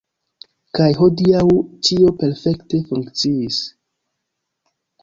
Kaj hodiaŭ ĉio perfekte funkciis.